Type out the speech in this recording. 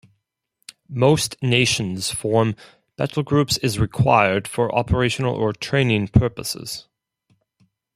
Most nations form battlegroups as required for operational or training purposes.